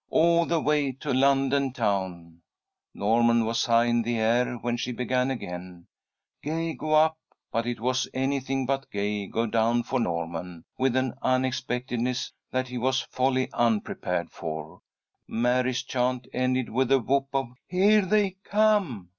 "All the way to London town." Norman was high in the air when she began again, "Gay go up," but it was anything but gay go down for Norman. With an unexpectedness that he was wholly unprepared for, Mary's chant ended with a whoop of "Here they come!"